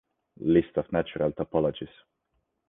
List of natural topologies.